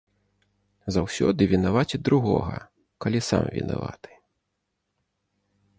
Заўсёды вінаваціць другога, калі сам вінаваты.